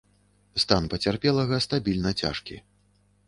Стан пацярпелага стабільна цяжкі.